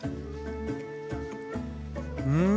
うん！